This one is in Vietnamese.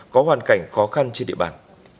có hoàn cảnh khó khăn trên địa bàn